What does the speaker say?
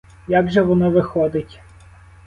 Як же воно виходить?